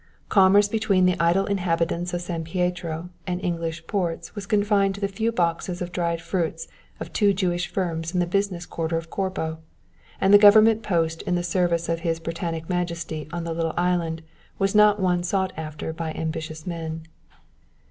Commerce between the idle inhabitants of San Pietro and English ports was confined to the few boxes of dried fruits of two Jewish firms in the business quarter of Corbo, and the Government post in the service of His Britannic Majesty on the little island was not one sought after by ambitious men.